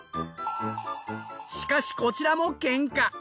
しかしこちらもケンカ。